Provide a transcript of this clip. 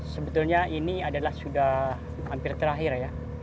sebetulnya ini adalah sudah hampir terakhir ya